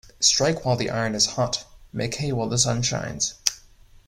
Strike while the iron is hot Make hay while the sun shines.